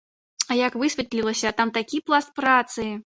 А як высветлілася, там такі пласт працы.